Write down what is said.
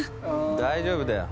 大丈夫だよ。